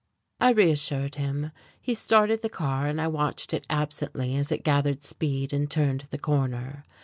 I reassured him. He started the car, and I watched it absently as it gathered speed and turned the corner.